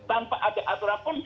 tanpa ada aturan pun